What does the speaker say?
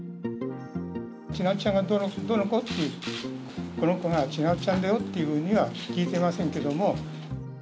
ちなつちゃんがどの子？という、この子がちなつちゃんだよというふうには聞いてませんけども。